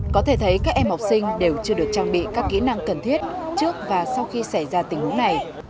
có thể thấy các em học sinh đều chưa được trang bị các kỹ năng cần thiết trước và sau khi xảy ra tình huống này